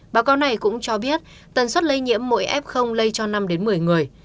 báo cáo này cũng cho biết tần suất lây nhiễm mỗi f lây cho năm một mươi người